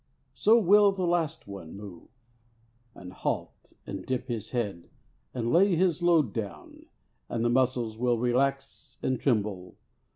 So will the last one move, And halt, and dip his head, and lay his load Down, and the muscles will relax and tremble.